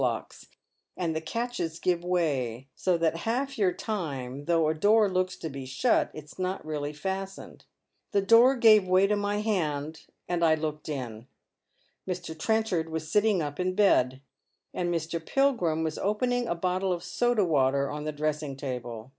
ocks, and the catches give way, so that half your time though a door looks to be shut it's not really fastened. The door gave way to my.band, and I looked in. ]\Ir. Trenchard was sitting up in bed, and Mr. Pilgrim was opening a bottle of soda water on the dressing table.